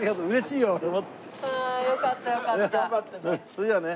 それじゃあね。